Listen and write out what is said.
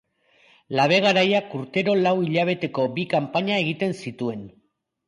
Labe Garaiak urtero lau hilabeteko bi kanpaina egiten zituen.